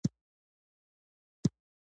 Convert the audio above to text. د عامه نظم د مختل کولو مخنیوی وشي.